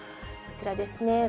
こちらですね。